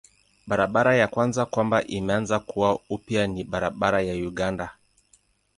Barabara ya kwanza kwamba imeanza kuwa upya ni barabara ya Uganda.